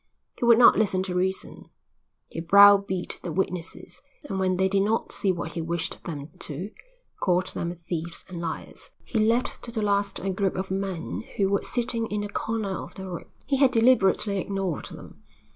He would not listen to reason. He browbeat the witnesses and when they did not see what he wished them to called them thieves and liars. He left to the last a group of men who were sitting in the corner of the room. He had deliberately ignored them.